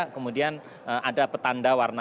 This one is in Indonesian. kemudian ada petanda warnanya